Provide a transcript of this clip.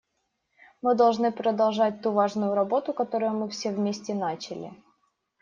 Мы должны продолжать ту важную работу, которую мы все вместе начали.